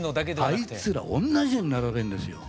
あいつら同じように並べんですよ。